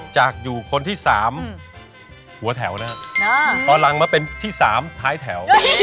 จากอยู่คนที่๓หัวแถวแล้วอ่ะต่อล่างมาเป็นที่๓ภายแถว